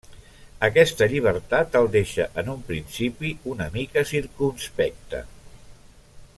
Aquesta llibertat el deixa en un principi una mica circumspecte.